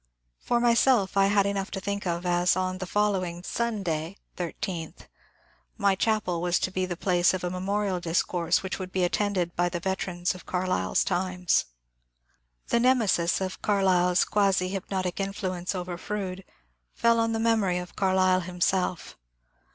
For myself I had enough to think of, as on the following Sunday (13th) my chapel was to be the place of a memorial discourse which would be attended by the veterans of Carlyle*s times. The '' Nemesis " of Carlyle's quasi hypnotic influence over Froude fell on the memory of Carlyle himself.